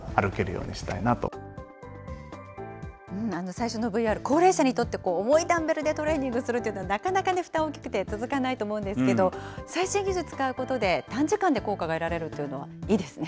最初のＶＲ、高齢者にとって、重いダンベルでトレーニングするっていうのは、なかなか負担大きくて続かないと思うんですけど、最新技術を使うことで、短時間で効果が得られるというのはいいですね。